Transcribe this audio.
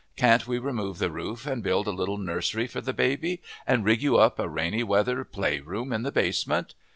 Can't we remove the roof and build a little nursery for the baby, and rig you up a rainy weather playroom in the basement?